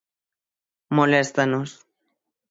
Moléstanos.